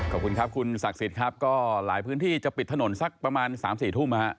ขอบคุณครับคุณศักดิ์สิทธิ์ครับก็หลายพื้นที่จะปิดถนนสักประมาณ๓๔ทุ่ม